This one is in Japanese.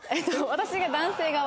私が男性側。